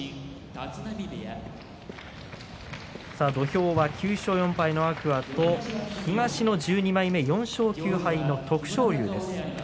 土俵は９勝４敗の天空海と東の１２枚目４勝９敗の徳勝龍です。